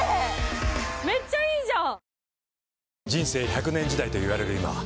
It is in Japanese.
めっちゃいいじゃん！